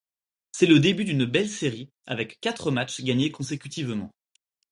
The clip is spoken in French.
C'est le début d'une belle série, avec quatre matchs gagnés consécutivement.